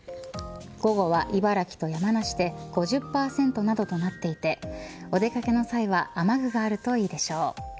午後は茨城と山梨で５０％などとなっていてお出掛けの際は雨具があるといいでしょう。